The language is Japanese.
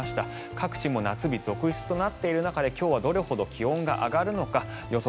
各地、夏日続出となっている中で今日はどれほど気温が上がるのか予想